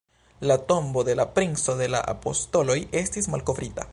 La tombo de la Princo de la Apostoloj estis malkovrita”.